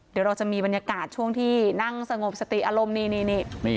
เดี๋ยวเราจะมีบรรยากาศช่วงที่นั่งสงบสติอารมณ์นี่